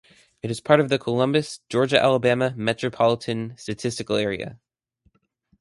It is part of the Columbus, Georgia-Alabama, Metropolitan Statistical Area.